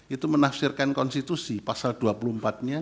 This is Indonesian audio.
itu menafsirkan konstitusi pasal dua puluh empat nya